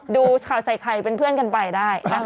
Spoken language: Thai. ดูข่าวใส่ไข่เป็นเพื่อนกันไปได้